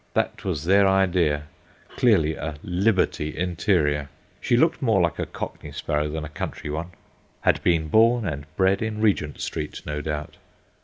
That was their idea clearly, a "Liberty interior." She looked more like a Cockney sparrow than a country one—had been born and bred in Regent Street, no doubt.